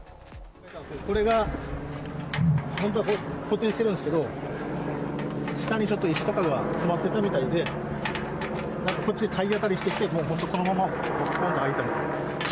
これが本当は固定してるんですけど、下にちょっと石とかが詰まってたみたいで、こっちに体当たりしてきて、本当にこのまま開いた。